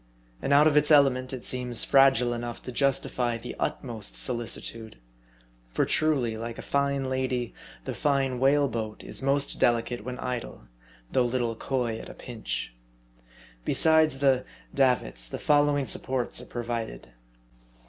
And out of its element, it seems fragile enough to justify the utmost solici tude. For truly, like a fine lady, the fine whale boat is most delicate when idle, though little coy at a pinch. Besides the "davits," the following supports are provided.